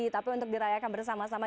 tapi untuk dirayakan bersama sama